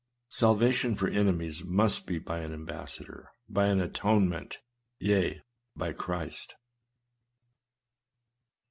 Salvation for enemies must be by an ambassador, — by an atone ment, — yea, by Christ.